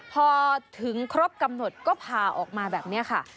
พอถึงครบกำหนดก็พาออกมาแบบนี้ค่ะ